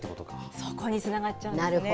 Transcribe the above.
そこにつながっちゃうんですね。